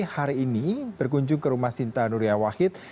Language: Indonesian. hari ini berkunjung ke rumah sinta nuria wahid